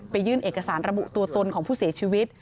ยื่นเอกสารระบุตัวตนของผู้เสียชีวิต